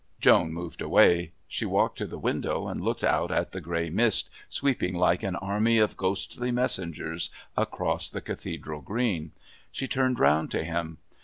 Joan moved away. She walked to the window and looked out at the grey mist sweeping like an army of ghostly messengers across the Cathedral Green. She turned round to him.